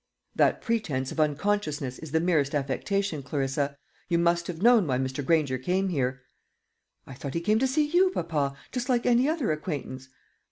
"That pretence of unconsciousness is the merest affectation, Clarissa. You must have known why Mr. Granger came here." "I thought he came to see you, papa, just like any other acquaintance."